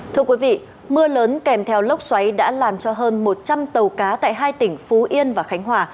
thưa quý vị mưa lớn kèm theo lốc xoáy đã làm cho hơn một trăm linh tàu cá tại hai tỉnh phú yên và khánh hòa